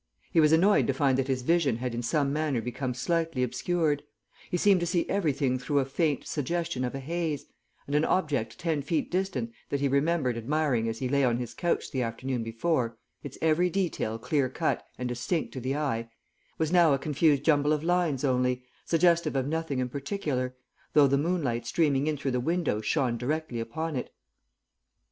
He was annoyed to find that his vision had in some manner become slightly obscured; he seemed to see everything through a faint suggestion of a haze, and an object ten feet distant that he remembered admiring as he lay on his couch the afternoon before, its every detail clear cut and distinct to the eye, was now a confused jumble of lines only, suggestive of nothing in particular, though the moonlight streaming in through the window shone directly upon it.